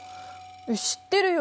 知ってるよ